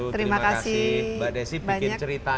terima kasih banyak terima kasih mbak desi bikin cerita